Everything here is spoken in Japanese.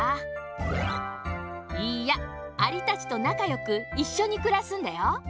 いいやアリたちとなかよくいっしょにくらすんだよ。